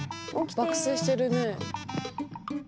爆睡してるね。